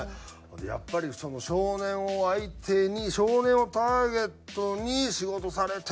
やっぱり少年を相手に少年をターゲットに仕事されてるからなのか